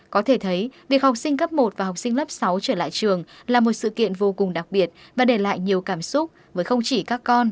có thể thấy việc học sinh cấp một và học sinh lớp sáu trở lại trường là một sự kiện vô cùng đặc biệt và để lại nhiều cảm xúc với không chỉ các con